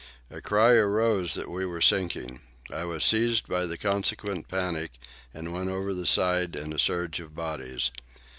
A cry arose that we were sinking. I was seized by the consequent panic, and went over the side in a surge of bodies.